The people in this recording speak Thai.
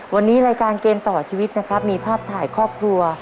วันนี้รายการเกมต่อชีวิตนะครับมีภาพถ่ายครอบครัว